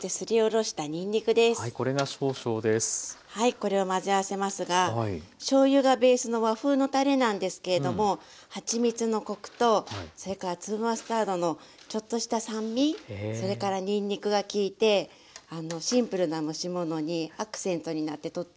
これを混ぜ合わせますがしょうゆがベースの和風のたれなんですけれどもはちみつのコクとそれから粒マスタードのちょっとした酸味それからにんにくが利いてシンプルな蒸し物にアクセントになってとってもおいしいたれになっています。